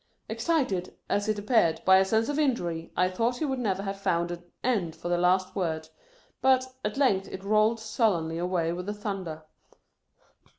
Excited, as it appeared, by a sense of injury, I thought he never would have found an end for the last word. But, at length it rolled sullenly away with the thunder.